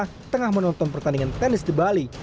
di mana dia menonton pertandingan tenis di bali